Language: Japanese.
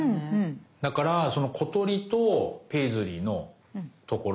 だからその小鳥とペイズリーのところ？